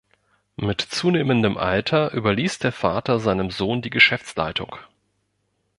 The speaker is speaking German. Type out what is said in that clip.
Mit zunehmendem Alter überließ der Vater seinem Sohn die Geschäftsleitung.